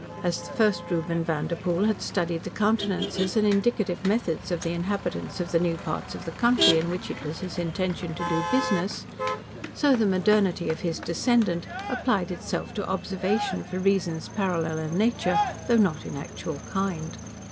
As the first Reuben Vanderpoel had studied the countenances and indicative methods of the inhabitants of the new parts of the country in which it was his intention to do business, so the modernity of his descendant applied itself to observation for reasons parallel in nature though not in actual kind.